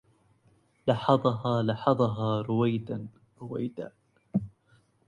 لحظها لحظها رويدا رويدا